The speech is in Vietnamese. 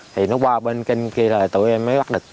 thì nó qua bên kênh kia là tội em mới bắt được